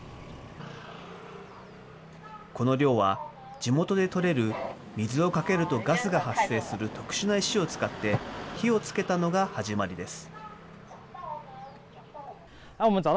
この漁は、地元で取れる水をかけるとガスが発生する特殊な石を使って、火をつけたのが始まりです。